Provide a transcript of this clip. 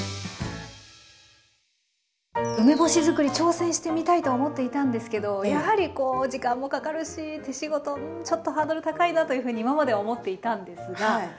梅干し作り挑戦してみたいと思っていたんですけどやはり時間もかかるし手仕事ちょっとハードル高いなというふうに今までは思っていたんですが今回は？